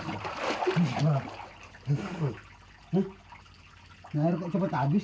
nunjuk mana kok cepet abis i